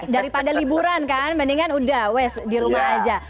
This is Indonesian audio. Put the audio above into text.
daripada liburan kan mendingan udah west di rumah aja